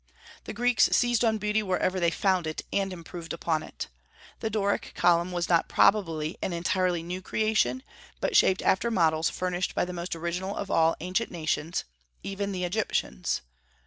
The Greeks seized on beauty wherever they found it, and improved upon it. The Doric column was not probably an entirely new creation, but shaped after models furnished by the most original of all the ancient nations, even the Egyptians.